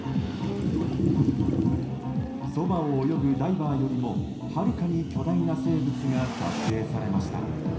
そばを泳ぐダイバーよりもはるかに巨大な生物が撮影されました。